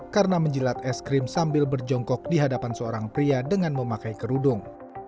karena menjilat es krim sambil berjongkok di hadapan seorang pria dengan memakai kerudung